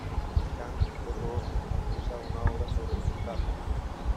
Camps dejó inconclusa una obra sobre los cátaros.